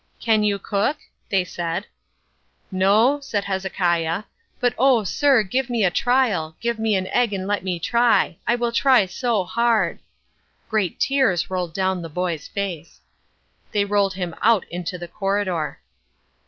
"Can you cook?" they said. "No," said Hezekiah, "but oh, sir, give me a trial, give me an egg and let me try—I will try so hard." Great tears rolled down the boy's face. They rolled him out into the corridor.